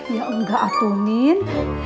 ya enggak atuh min